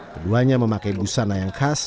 keduanya memakai busana yang khas